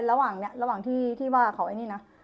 ระหว่างที่ว่าเขาไอ้นี่นะ